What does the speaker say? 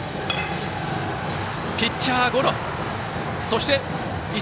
ピッチャーゴロ！